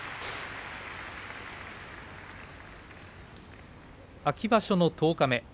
拍手秋場所の十日目。